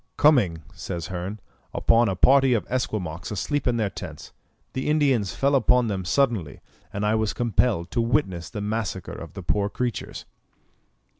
"Coming," says Hearn, "upon a party of Esquimaux asleep in their tents, the Indians fell upon them suddenly, and I was compelled to witness the massacre of the poor creatures."